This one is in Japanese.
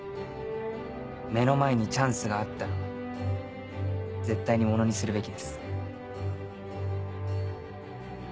目の前にチャンスがあったら絶対にものにするべきです。